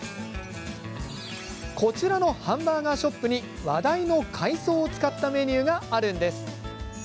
こちらのハンバーガーショップに話題の海藻を使ったメニューがあるんです。